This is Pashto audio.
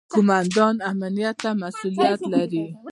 قوماندان امنیه څه مسوولیت لري؟